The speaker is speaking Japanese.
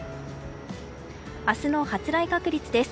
明日の発雷確率です。